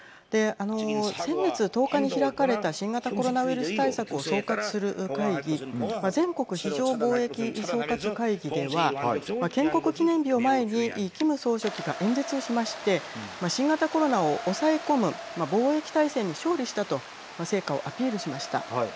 先月１０日に開かれた新型コロナウイルス対策を総括する会議全国非常防疫総括会議では建国記念日を前にキム総書記が演説をしまして新型コロナを抑え込む防疫大戦に勝利したと成果をアピールしました。